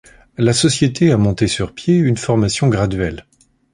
La Société a monté sur pied une formation graduelle.